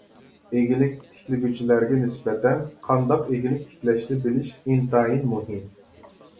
ئىگىلىك تىكلىگۈچىلەرگە نىسبەتەن قانداق ئىگىلىك تىكلەشنى بىلىش ئىنتايىن مۇھىم.